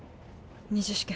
２次試験。